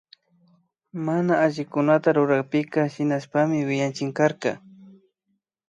Mana allikunata rurakpika tsinishpami wiñachinkarka